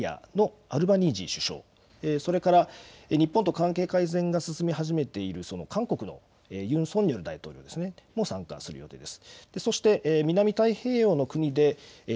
オーストラリアのアルバニージー首相、それから日本と関係改善が進み始めている韓国のユン・ソンニョル大統領も参加する予定です。